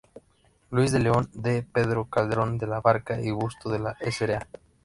Luis de León", "D. Pedro Calderón de la Barca" y "Busto de la Sra.